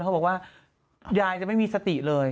เขาบอกว่ายายจะไม่มีสติเลย